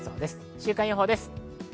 週間予報です。